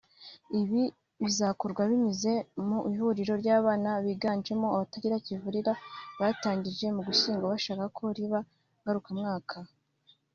Ibiu bizakorwa binyuze mu ihuriro ry’abana biganjemo abatagira kivurira batangije mu Gushyingo bashaka ko riba ngarukamwaka